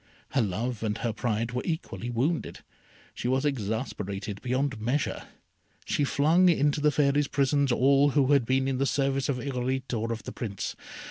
Her love and her pride were equally wounded. She was exasperated beyond measure. She flung into the Fairy's prisons all who had been in the service of Irolite or of the Prince.